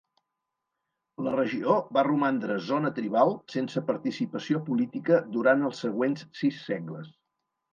La regió va romandre zona tribal sense participació política durant els següents sis segles.